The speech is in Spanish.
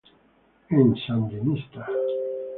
En "Sandinista!